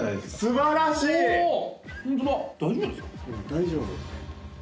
大丈夫。